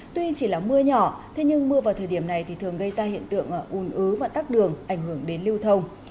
tuy chỉ là mưa nhỏ thế nhưng mưa vào thời điểm này thì thường gây ra hiện tượng ùn ứ và tắt đường ảnh hưởng đến lưu thông